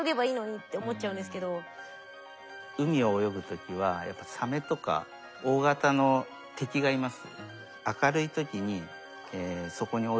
海を泳ぐ時はやっぱサメとか大型の敵がいます。